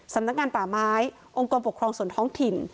สำนักงานป่าไม้องค์กรปกครองส่วนท้องถิ่น